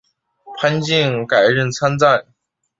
潘靖改任参赞。